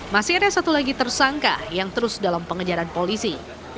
masih ada satu lagi tersangka yang terus dalam pengejaran polisi